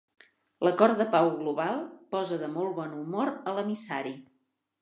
L'acord de pau global posa de molt bon humor a l'emissari.